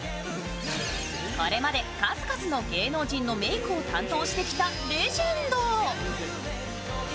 これまで数々の芸能人のメークを担当してきたレジェンド。